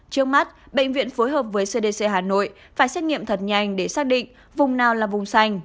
trước mắt bệnh viện phối hợp với cdc hà nội phải xét nghiệm thật nhanh để xác định vùng nào là vùng sành